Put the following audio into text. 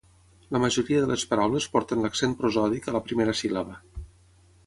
La majoria de les paraules porten l'accent prosòdic a la primera síl·laba.